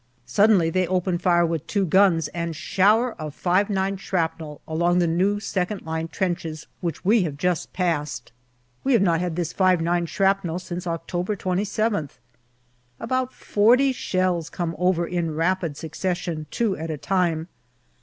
Suddenly they open fire with two guns and shower of 5*9 shrapnel along the new second line trenches which we have just passed. We have not had this 5*9 shrapnel since October 27th. About forty shells come over in rapid succession, two at a time.